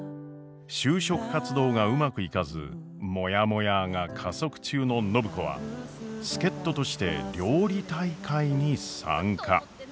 就職活動がうまくいかずもやもやーが加速中の暢子は助っ人として料理大会に参加。